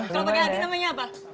kalau pakai hati namanya apa